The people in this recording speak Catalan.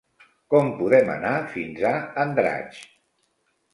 Com podem anar fins a Andratx?